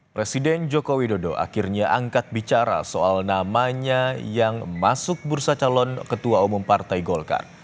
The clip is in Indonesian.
presiden joko widodo akhirnya angkat bicara soal namanya yang masuk bursa calon ketua umum partai golkar